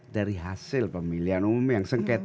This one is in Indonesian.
dari hasil pemilihan umum yang sengketa